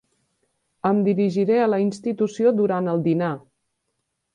Em dirigiré a la institució durant el dinar.